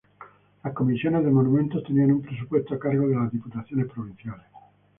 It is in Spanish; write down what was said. Las Comisiones de Monumentos tenían un presupuesto a cargo de las Diputaciones Provinciales.